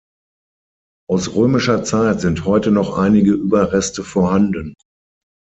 Aus römischer Zeit sind heute noch einige Überreste vorhanden.